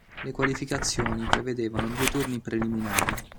Le qualificazioni prevedevano due turni preliminari.